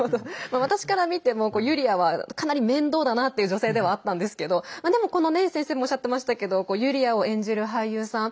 私から見てもユリアは、かなり面倒だなという女性ではあったんですけどでも、この先生もおっしゃってましたけどユリアを演じる俳優さん